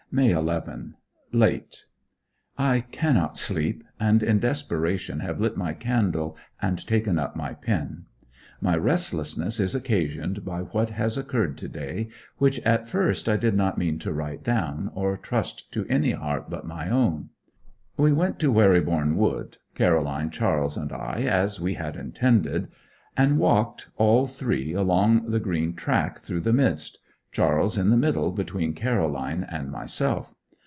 May 11. Late. I cannot sleep, and in desperation have lit my candle and taken up my pen. My restlessness is occasioned by what has occurred to day, which at first I did not mean to write down, or trust to any heart but my own. We went to Wherryborne Wood Caroline, Charles and I, as we had intended and walked all three along the green track through the midst, Charles in the middle between Caroline and myself.